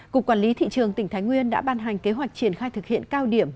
cục quản lý thị trường tỉnh thái nguyên đã ban hành kế hoạch triển khai thực hiện cao điểm